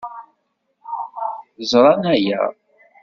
Ẓran aya.